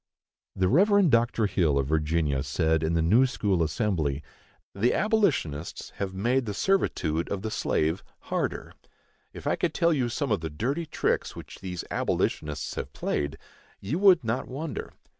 The Rev. Dr. Hill, of Virginia, said, in the New School Assembly: The abolitionists have made the servitude of the slave harder. If I could tell you some of the dirty tricks which these abolitionists have played, you would not wonder.